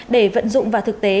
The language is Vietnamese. để vận dụng vào thực tế